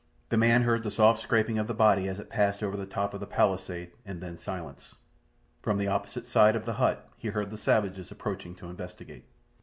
The man heard the soft scraping of the body as it passed over the top of the palisade, and then silence. From the opposite side of the hut he heard the savages approaching to investigate.